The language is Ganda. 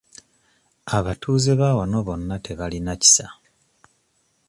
Abatuuze ba wano bonna tebalina kisa.